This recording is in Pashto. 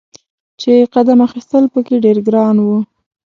چې قدم اخیستل په کې ډیر ګران و.